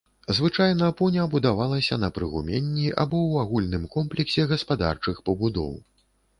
Звычайна пуня будавалася на прыгуменні, або ў агульным комплексе гаспадарчых пабудоў.